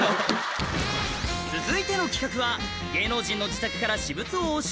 続いての企画は芸能人の自宅から私物を押収